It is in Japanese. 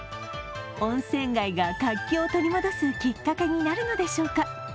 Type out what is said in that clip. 温泉街が活気を取り戻すきっかけになるのでしょうか。